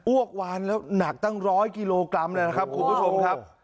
อวกวานแล้วหนักตั้งร้อยกิโลกรัมคุณผู้ชมครับ